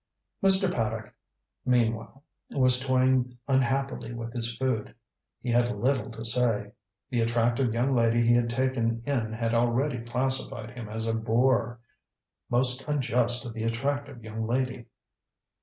Mr. Paddock, meanwhile, was toying unhappily with his food. He had little to say. The attractive young lady he had taken in had already classified him as a bore. Most unjust of the attractive young lady.